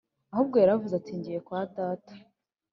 ahubwo yaravuze ati njyiye kwa data